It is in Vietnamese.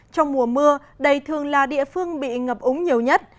trong mùa mưa đây thường là địa phương bị ngập úng nhiều nhất